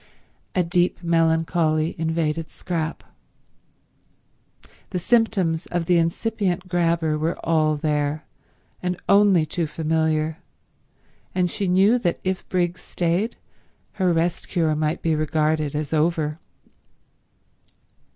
A deep melancholy invaded Scrap. The symptoms of the incipient grabber were all there and only too familiar, and she knew that if Briggs stayed her rest cure might be regarded as over.